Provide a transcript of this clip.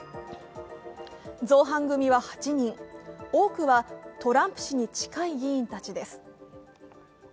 造反組は８人、多くはトランプ氏に近い議員たちです。